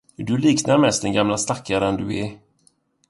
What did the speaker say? Du liknar mest den gamle stackare du är.